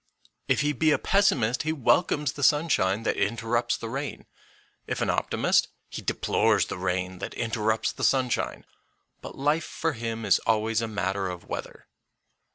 If he be a pessimist he welcomes the sunshine that interrupts the rain ; if an optimist he de plores the rain that interrupts the sunshine. But life for him is always a matter of weather.